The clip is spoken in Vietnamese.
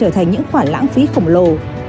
nó lại trở thành những khoản lãng phí khổng lồ